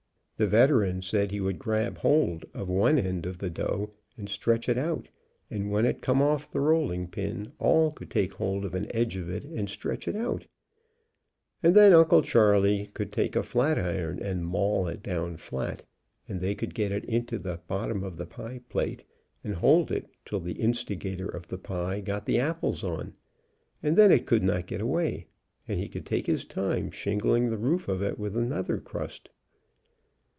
The Veteran said he would grab hold of one end of the dough and stretch it out, and when it come off the rolling pin all could take hold of an edge of it and stretch it out, and then Uncle Charley could take a flat iron and HOW UNCLE CHARLEY MADE AN APPLE PIE 14! maul it down flat, and they could get it into the bot tom of the pie plate and hold it till the instigator of the pie got the apples on, and then it could not get away, and he could take his time shingling the roof The boys stood around and gave advice. of it with another crust.